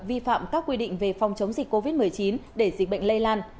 vi phạm các quy định về phòng chống dịch covid một mươi chín để dịch bệnh lây lan